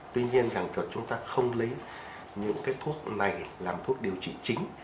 tuy nhiên rằng thật chúng ta không lấy những thuốc này làm thuốc điều trị chính